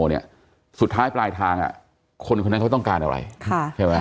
ี่สุดท้ายปลายทางคนคนนั้นเขาต้องการอะไรค่ะ